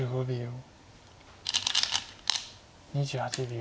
２８秒。